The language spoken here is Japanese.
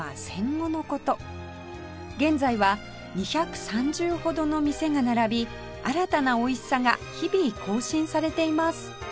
現在は２３０ほどの店が並び新たな美味しさが日々更新されています